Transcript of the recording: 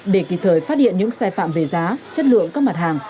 để kịp thời phát hiện những sai phạm về giá chất lượng các mặt hàng